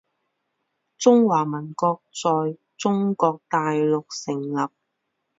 中华民国在中国大陆成立